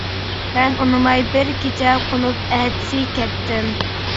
مەن ئۇنىماي بىر كېچە قونۇپ ئەتىسى كەتتىم.